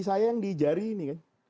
saya yang di jari ini kan